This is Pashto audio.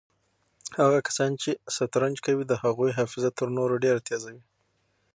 هغه کسان چې شطرنج کوي د هغوی حافظه تر نورو ډېره تېزه وي.